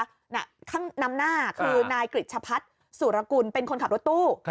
ข้างนำหน้าคือนายกริจชะพัฒน์สุรกุลเป็นคนขับรถตู้